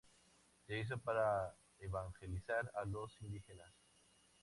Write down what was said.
Se hizo para evangelizar a los indígenas.